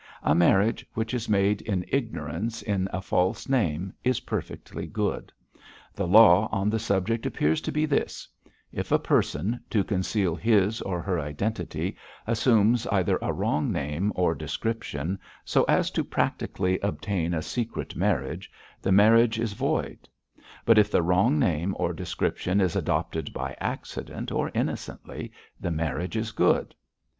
'"A marriage which is made in ignorance in a false name is perfectly good. The law on the subject appears to be this If a person, to conceal his or her identity, assumes either a wrong name or description, so as to practically obtain a secret marriage, the marriage is void; but if the wrong name or description is adopted by accident or innocently, the marriage is good."